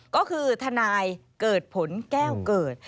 ก็คือทนายเกิดผลแก้วเกิด